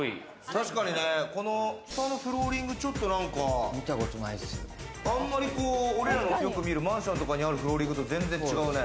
確かに下のフローリングちょっと、あんまり俺らのよく見るマンションとかにあるフローリングと全然違うね。